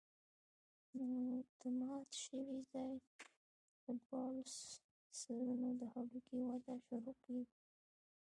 نو د مات شوي ځاى له دواړو سرونو د هډوکي وده شروع کېږي.